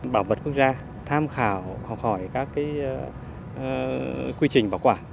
bảo vật quốc gia tham khảo học hỏi các quy trình bảo quản